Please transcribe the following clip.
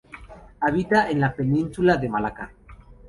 Habita en la Península de Malaca.